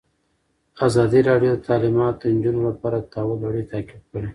ازادي راډیو د تعلیمات د نجونو لپاره د تحول لړۍ تعقیب کړې.